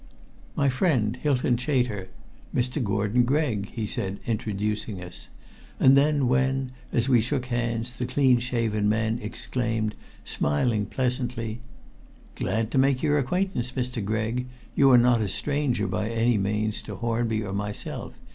"My friend, Hylton Chater Mr. Gordon Gregg," he said, introducing us, and then when, as we shook hands, the clean shaven man exclaimed, smiling pleasantly "Glad to make your acquaintance, Mr. Gregg. You are not a stranger by any means to Hornby or myself.